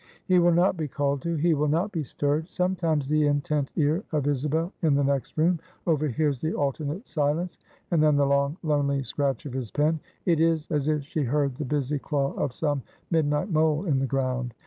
He will not be called to; he will not be stirred. Sometimes the intent ear of Isabel in the next room, overhears the alternate silence, and then the long lonely scratch of his pen. It is, as if she heard the busy claw of some midnight mole in the ground.